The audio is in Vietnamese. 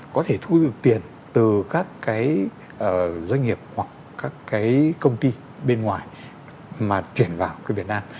có thể thu được tiền từ các cái doanh nghiệp hoặc các cái công ty bên ngoài mà chuyển vào cái việt nam